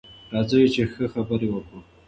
راځئ چې ښه خبرې وکړو.